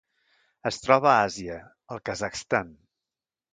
Es troba a Àsia: el Kazakhstan.